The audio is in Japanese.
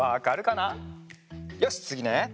よしつぎね！